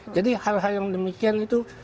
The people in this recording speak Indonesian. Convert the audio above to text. jadi hal hal yang demikian itu